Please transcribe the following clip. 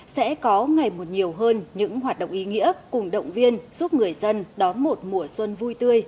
sẽ có ngày một nhiều hơn những hoạt động ý nghĩa cùng động viên giúp người dân đón một mùa xuân vui tươi